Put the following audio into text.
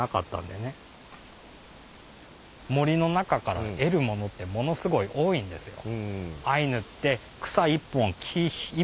森の中から得るものってものすごい多いんですよ。